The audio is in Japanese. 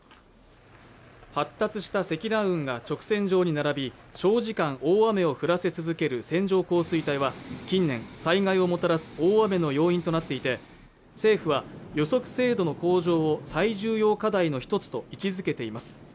発達した積乱雲が直線上に並び長時間大雨を降らせ続ける線状降水帯は近年災害をもたらす大雨の要因となっていて政府は予測精度の向上を最重要課題の一つと位置づけています